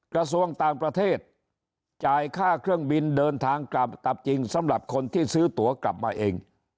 กระทรวงต่างประเทศจ่ายค่าเครื่องบินเดินทางกลับจริงสำหรับคนที่ซื้อตัวกลับมาเอง